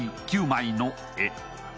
９枚の絵。